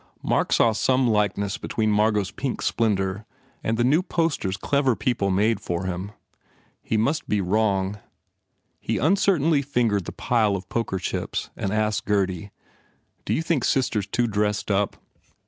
Mark saw some likeness between Margot s pink splendour and the new posters clever people made for him. He must be wrong. He uncertainly fingered the pile of poker chips and asked Gurdy, "D you think sister s too dressed up?"